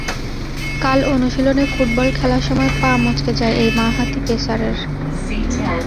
কাল অনুশীলনে ফুটবল খেলার সময় পা মচকে যায় এই বাঁহাতি পেসারের।